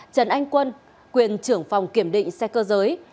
trần anh quân quyền trưởng phòng kiểm định xe cơ giới